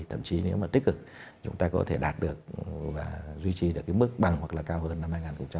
thậm chí nếu mà tích cực chúng ta có thể đạt được và duy trì được cái mức bằng hoặc là cao hơn năm hai nghìn một mươi chín